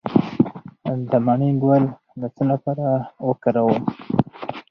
د مڼې ګل د څه لپاره وکاروم؟